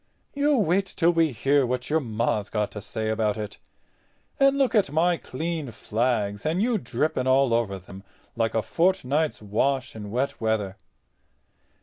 You wait till we hear what your Ma's got to say about it. And look at my clean flags and you dripping all over 'em like a fortnight's wash in wet weather."